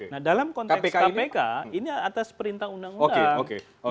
nah dalam konteks kpk ini atas perintah undang undang